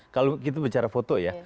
kalau kita bicara foto ya